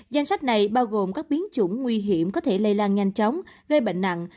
danh sách này bao gồm các biến chủng nguy hiểm có thể lây lan nhanh chóng gây bệnh nặng